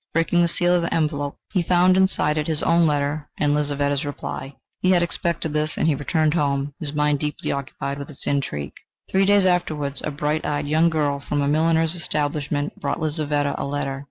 Breaking the seal of the envelope, he found inside it his own letter and Lizaveta's reply. He had expected this, and he returned home, his mind deeply occupied with his intrigue. Three days afterwards, a bright eyed young girl from a milliner's establishment brought Lizaveta a letter.